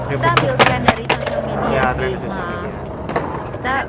iya kita build trend dari sosial media sih